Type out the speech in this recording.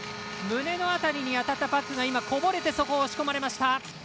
胸の辺りに当たったパットがこぼれてそこを押し込まれました。